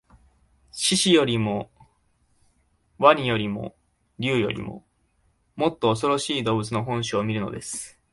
獅子よりも鰐よりも竜よりも、もっとおそろしい動物の本性を見るのです